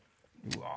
うわ！